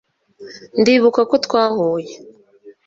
ndibuka ko twahuye